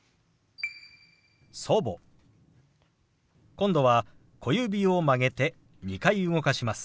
今度は小指を曲げて２回動かします。